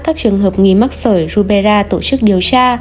các trường hợp nghi mắc sở rubella tổ chức điều tra